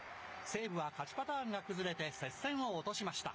西武は勝ちパターンが崩れて、接戦を落としました。